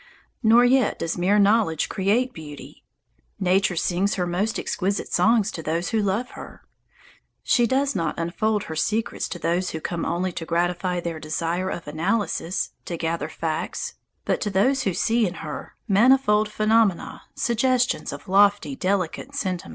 Nor yet does mere knowledge create beauty. Nature sings her most exquisite songs to those who love her. She does not unfold her secrets to those who come only to gratify their desire of analysis, to gather facts, but to those who see in her manifold phenomena suggestions of lofty, delicate sentiments.